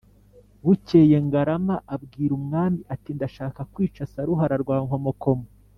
Bukeye Ngarama abwira umwami ati « ndashaka kwica Saruhara rwa Nkomokomo,